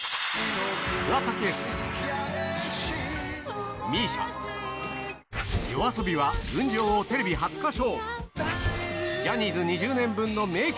桑田佳祐、ＭＩＳＩＡ、ＹＯＡＳＯＢＩは『群青』テレビ初歌唱。